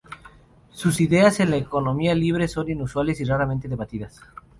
Sus ideas en la economía libre son inusuales y raramente debatidas.